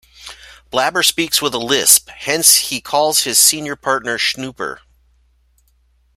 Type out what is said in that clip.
Blabber speaks with a lisp, hence he calls his senior partner Shnooper.